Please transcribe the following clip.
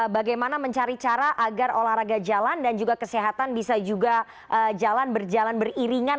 bagaimana mencari cara agar olahraga jalan dan juga kesehatan bisa juga jalan berjalan beriringan